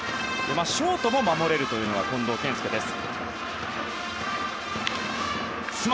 ショートも守れるというのが近藤健介です。